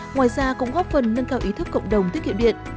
ngoài ra cũng góp phần nâng cao ý thức cộng đồng tiết kiệm điện